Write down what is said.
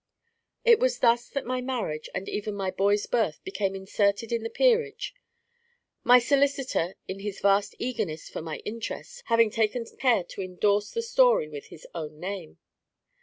It was thus that my marriage, and even my boy's birth, became inserted in the Peerage; my solicitor, in his vast eagerness for my interests, having taken care to indorse the story with his own name.